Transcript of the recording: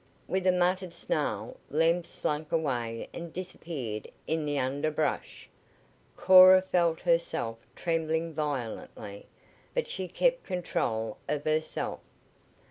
With a muttered snarl Lem slunk away and disappeared in the underbrush. Cora felt herself trembling violently, but she kept control of herself.